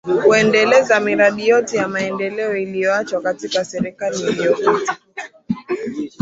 Kuendeleza miradi yote ya maendeleo ilioachwa katika serikali iliyopita